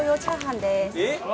えっ？